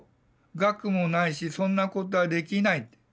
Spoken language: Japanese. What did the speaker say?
学もないしそんなことはできない。